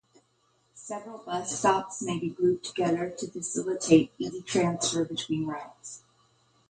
Several bus stops may be grouped together to facilitate easy transfer between routes.